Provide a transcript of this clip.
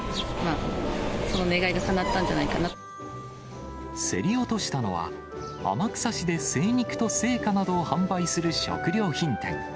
その願いがかなったんじゃないか競り落としたのは、天草市で精肉と青果などを販売する食料品店。